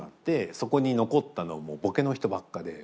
そこに残ったのもボケの人ばっかで。